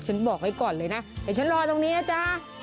บอกไว้ก่อนเลยนะเดี๋ยวฉันรอตรงนี้นะจ๊ะ